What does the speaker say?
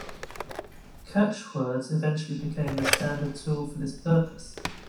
Catchwords eventually became the standard tool for this purpose.